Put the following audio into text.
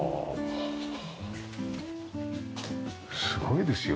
すごいですよ。